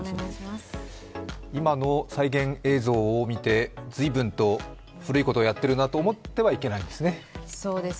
今の再現映像を見て、随分と古いことをやっているなと思ってはいけないんですね。